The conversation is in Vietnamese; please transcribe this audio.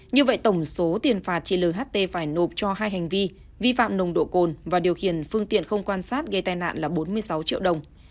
như vậy tổng số tiền phạt chị l h t phải nộp cho hai hành vi vi phạm nồng độ cồn và điều khiển phương tiện không quan sát gây tên ạn là bốn mươi sáu triệu đồng